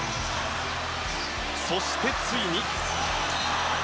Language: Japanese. そして、ついに。